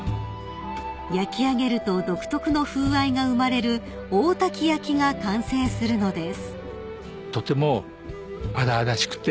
［焼き上げると独特の風合いが生まれる大多喜焼が完成するのです］